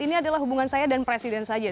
ini adalah hubungan saya dan presiden saja